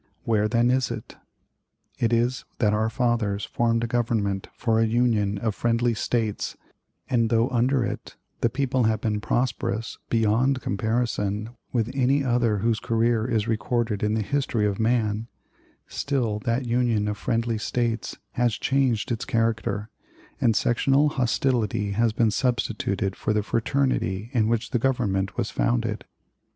Where, then, is it? It is that our fathers formed a Government for a Union of friendly States; and though under it the people have been prosperous beyond comparison with any other whose career is recorded in the history of man, still that Union of friendly States has changed its character, and sectional hostility has been substituted for the fraternity in which the Government was founded.